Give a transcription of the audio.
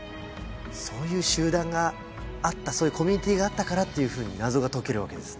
そういう集団があったそういうコミュニティーがあったからっていうふうに謎が解けるわけですね。